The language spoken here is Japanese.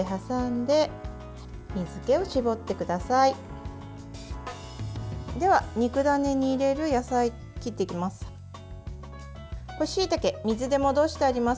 では、肉ダネに入れる野菜切っていきます。